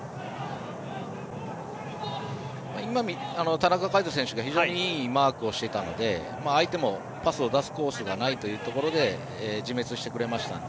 田中海渡選手が非常にいいマークをしていたので相手もパスを出すコースがないというところで自滅してくれましたので。